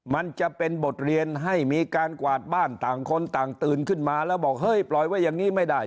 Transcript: มันจะเป็นบทเรียนให้มีการกวาดบ้านต่างคนต่างตื่นขึ้นมาแล้วบอกเฮ้ยปล่อยไว้อย่างนี้ไม่ได้